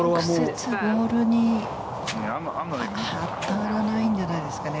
直接ボールに当たらないんじゃないですかね。